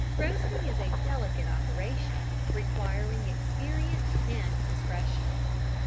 ] Roasting is a delicate operation requiring experience and discretion.